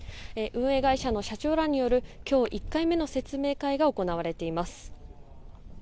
運営会社の社長らによる今日１回目の説明会が行われています。